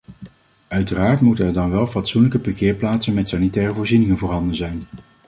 Uiteraard moeten er dan wel fatsoenlijke parkeerplaatsen met sanitaire voorzieningen voorhanden zijn.